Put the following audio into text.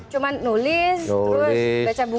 cuma nulis terus baca buku